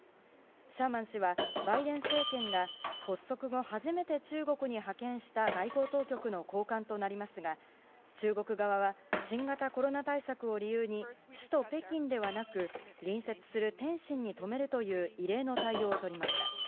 シャーマン氏はバイデン政権が発足後初めて中国に派遣した外交当局の高官となりますが中国側は新型コロナ対策を理由に首都・北京ではなく隣接する天津に止めるという異例の対応を取りました。